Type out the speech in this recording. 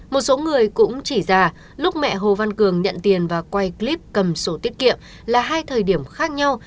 một số người cũng chỉ ra lúc mẹ hồ văn cường nhận tiền và quay clip cầm sổ tiết kiệm là hai thời điểm khác nhau